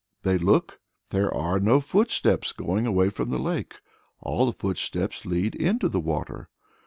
They look: there are no footsteps going away from the lake; all the footsteps lead into the water!